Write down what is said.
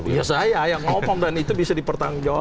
iya saya yang ngomong dan itu bisa dipertanggung jawab